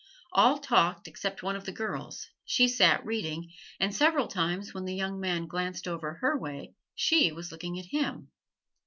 All talked except one of the girls: she sat reading, and several times when the young man glanced over her way she was looking at him.